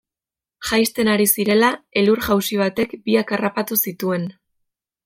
Jaisten ari zirela, elur-jausi batek biak harrapatu zituen.